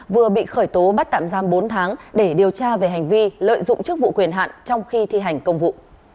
vừa bị khởi tố bắt tạm giam bốn tháng để điều tra về hành vi lợi dụng chức vụ quyền hạn trong khi thi hành công vụ